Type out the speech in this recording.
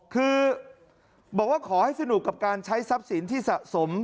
คือบอกว่าขอให้สนุกกับการใช้ทรัพย์สินที่สะสม